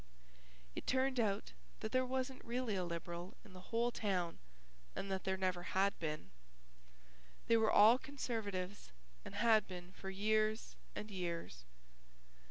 It turned out that there wasn't really a Liberal in the whole town and that there never had been. They were all Conservatives and had been for years and years.